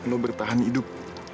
lo bertahan hidup